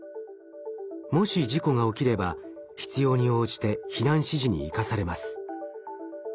もし事故が起きれば必要に応じて避難指示に生かされます。